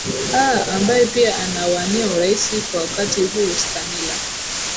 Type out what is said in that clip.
aa ambaye pia anawania urais kwa wakati huu stanila